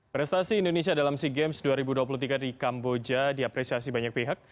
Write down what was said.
prestasi indonesia dalam sea games dua ribu dua puluh tiga di kamboja diapresiasi banyak pihak